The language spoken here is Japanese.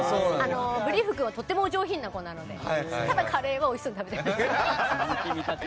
ブリーフ君はとてもお上品な子なのでカレーをおいしそうに食べてました。